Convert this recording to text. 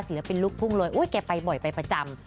ศิลปินลูกพุ่งโลยอุ๊ยเขาไปบ่อยประจำ